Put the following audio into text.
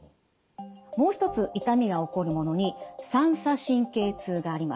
もう一つ痛みが起こるものに三叉神経痛があります。